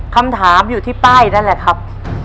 คำถามอยู่ที่ป้ายนั่นแหละครับ